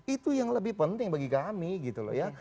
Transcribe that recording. itu yang lebih penting bagi kami gitu loh ya